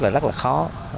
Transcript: là rất là khó